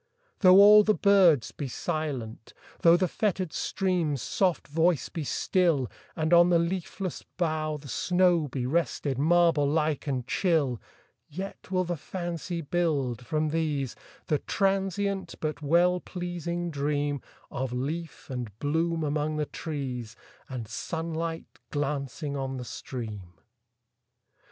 Though all the birds be silent,—thoughThe fettered stream's soft voice be still, And on the leafless bough the snowBe rested, marble like and chill,—Yet will the fancy build, from these, The transient but well pleasing dreamOf leaf and bloom among the trees, And sunlight glancing on the stream.